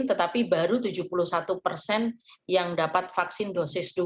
tetapi baru tujuh puluh satu persen yang dapat vaksin dosis dua